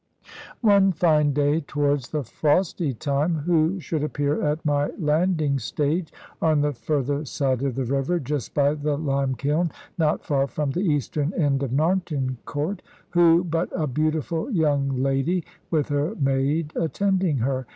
One fine day towards the frosty time, who should appear at my landing stage on the further side of the river, just by the lime kiln not far from the eastern end of Narnton Court who but a beautiful young lady with her maid attending her?